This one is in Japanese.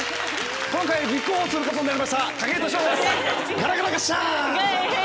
今回立候補することになりました筧利夫です。